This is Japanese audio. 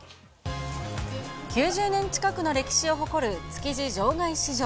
９０年近くの歴史を誇る築地場外市場。